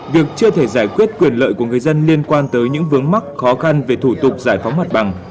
việc chưa thể giải quyết quyền lợi của người dân liên quan tới những vướng mắc khó khăn về thủ tục giải phóng mặt bằng